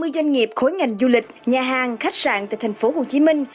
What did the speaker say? ba mươi doanh nghiệp khối ngành du lịch nhà hàng khách sạn tại thành phố hồ chí minh